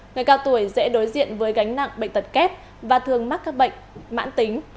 người cao tuổi dễ đối diện với gánh nặng bệnh tật kép và thường mắc các bệnh mãn tính